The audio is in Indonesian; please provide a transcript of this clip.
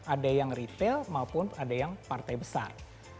ada yang retail maupun ada yang partai besar